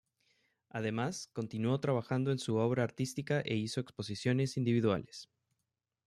Además continuó trabajando en su obra artística e hizo Exposiciones Individuales.